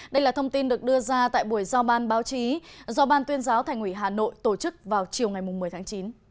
đây là thông tin được đưa ra tại buổi giao ban báo chí do ban tuyên giáo thành ủy hà nội tổ chức vào chiều ngày một mươi tháng chín